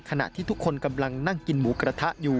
ขณะที่ทุกคนกำลังนั่งกินหมูกระทะอยู่